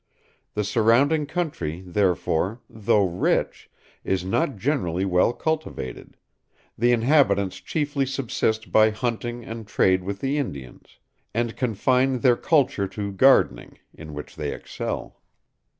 The surrounding country, therefore, though rich, is not generally well cultivated; the inhabitants chiefly subsist by hunting and trade with the Indians, and confine their culture to gardening, in which they excel."